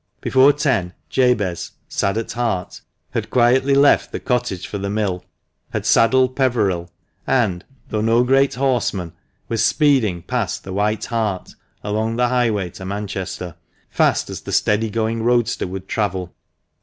Before ten Jabez, sad at heart, had quietly left the cottage for the mill, had saddled Peveril, and, though no great horseman, was speeding past the "White Hart" along the highway to Manchester, fast as the steady going roadster would travel.